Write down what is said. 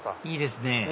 いいですね